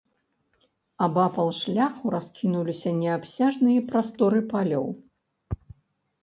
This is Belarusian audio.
Абапал шляху раскінуліся неабсяжныя прасторы палёў.